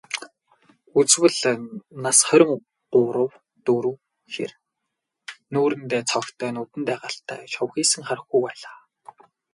Үзвэл, нас хорин гурав дөрөв хэр, нүүрэндээ цогтой, нүдэндээ галтай, шавхийсэн хархүү байлаа.